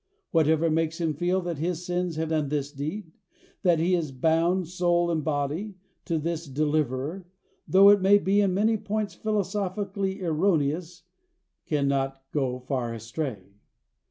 Whatever makes him feel that his sins have done this deed, that he is bound, soul and body, to this Deliverer, though it may be in many points philosophically erroneous, cannot go far astray.